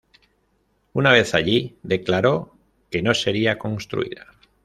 Una vez allí, declaró que no sería construida.